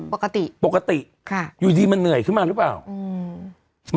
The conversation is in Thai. ปกติปกติค่ะอยู่ดีมันเหนื่อยขึ้นมาหรือเปล่าอืม